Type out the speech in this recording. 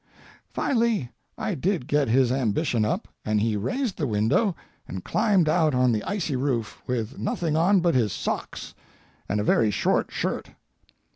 Finally I did get his ambition up, and he raised the window and climbed out on the icy roof, with nothing on but his socks and a very short shirt.